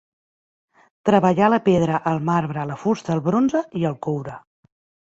Treballà la pedra, el marbre, la fusta, el bronze i el coure.